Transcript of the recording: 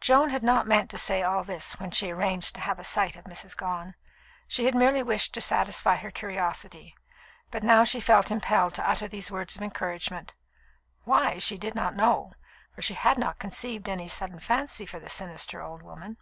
Joan had not meant to say all this when she arranged to have a sight of Mrs. Gone. She had merely wished to satisfy her curiosity; but now she felt impelled to utter these words of encouragement why, she did not know, for she had not conceived any sudden fancy for the sinister old woman.